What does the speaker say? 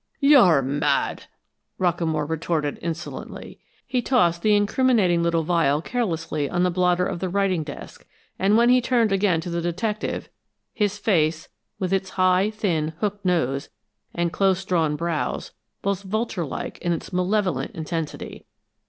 "You're mad!" Rockamore retorted, insolently. He tossed the incriminating little vial carelessly on the blotter of the writing desk, and when he turned again to the detective his face, with its high, thin, hooked nose and close drawn brows, was vulture like in its malevolent intensity.